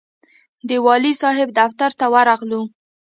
د والي صاحب دفتر ته ورغلو.